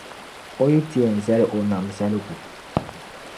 O yi ti yɛn zali o nam zaligu.